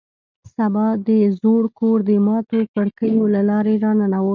سبا د زوړ کور د ماتو کړکیو له لارې راننوت